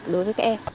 đối với các em